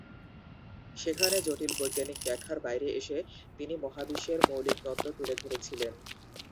সেখানে জটিল বৈজ্ঞানিক ব্যাখ্যার বাইরে এসে তিনি মহাবিশ্বের মৌলিক তত্ত্ব তুলে ধরেছিলেন।